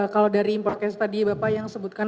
kalau dari prokes tadi bapak yang sebutkan